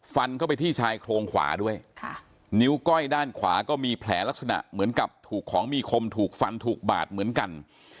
ฟันเข้าไปที่ชายโครงขวาด้วยค่ะนิ้วก้อยด้านขวาก็มีแผลลักษณะเหมือนกับถูกของมีคมถูกฟันถูกบาดเหมือนกัน